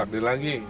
ya takdir lagi